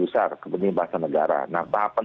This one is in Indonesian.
besar kepentingan bahasa negara nah tahapan